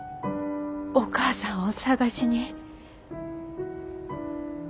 お母さんを捜しに。